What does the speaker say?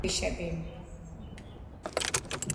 არის მაგნეტიტური ქვიშები.